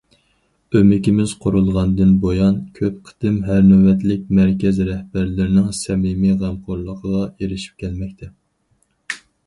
ئۆمىكىمىز قۇرۇلغاندىن بۇيان كۆپ قېتىم ھەر نۆۋەتلىك مەركەز رەھبەرلىرىنىڭ سەمىمىي غەمخورلۇقىغا ئېرىشىپ كەلمەكتە.